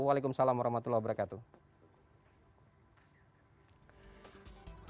waalaikumsalam warahmatullahi wabarakatuh